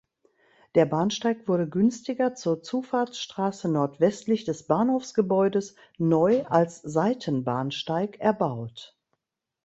Der Bahnsteig wurde günstiger zur Zufahrtsstraße nordwestlich des Bahnhofsgebäudes neu als Seitenbahnsteig erbaut.